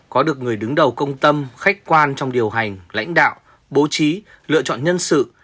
có được người đứng đầu công tâm khách quan trong điều hành lãnh đạo bố trí lựa chọn nhân sự